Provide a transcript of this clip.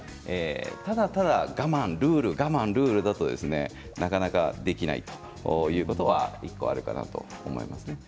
ただただ我慢ルール、我慢だとなかなかできないということは１個あるかなと思います。